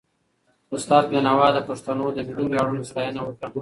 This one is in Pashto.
استاد بينوا د پښتنو د ملي ویاړونو ستاینه وکړه.